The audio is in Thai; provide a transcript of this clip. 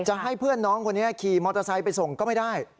จะให้เพื่อนน้องคนนี้ขี่มอเตอร์ไซค์ไปส่งก็ไม่ได้